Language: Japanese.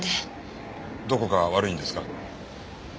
どこか悪いんですか？